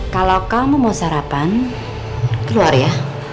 kalau kamu mau sarapan keluar ya